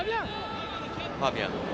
ファビアン。